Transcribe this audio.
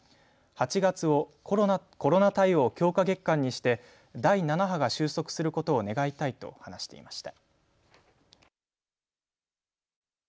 ８月をコロナ対応強化月間にして第７波が収束することを願いたいと話しました。